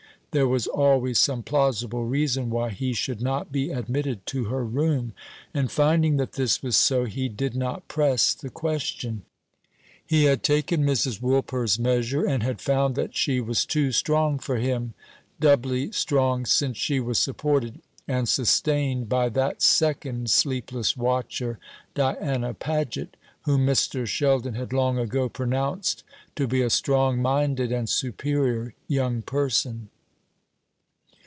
There was always some plausible reason why he should not be admitted to her room; and finding that this was so, he did not press the question. He had taken Mrs. Woolper's measure, and had found that she was too strong for him; doubly strong since she was supported and sustained by that second sleepless watcher, Diana Paget, whom Mr. Sheldon had long ago pronounced to be a strong minded and superior young person.